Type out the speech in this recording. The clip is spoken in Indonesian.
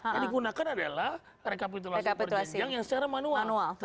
yang digunakan adalah rekapitulasi berjenjang yang secara manual